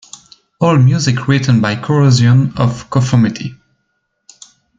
All music written by Corrosion of Conformity.